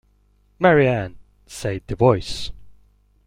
Mary Ann!’ said the voice.